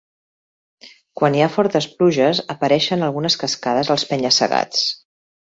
Quan hi ha fortes pluges, apareixen algunes cascades als penya-segats.